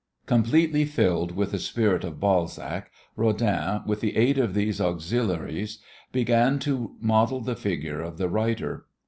Completely filled with the spirit of Balzac, Rodin, with the aid of these auxiliaries, began to model the figure of the writer.